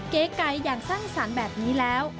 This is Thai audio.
เก๋ไก่อย่างสร้างสรรค์แบบนี้แล้ว